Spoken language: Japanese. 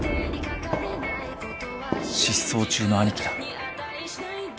失踪中の兄貴だ。